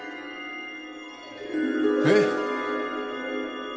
えっ？